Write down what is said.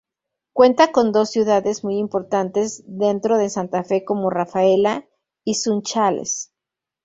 Cuenta con dos ciudades muy importantes dentro de Santa Fe como Rafaela y Sunchales.